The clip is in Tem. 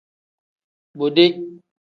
Bode.